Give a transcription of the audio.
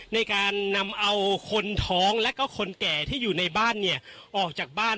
ในการนำเอาคนท้องและก็คนแก่ที่อยู่ในบ้านเนี่ยออกจากบ้าน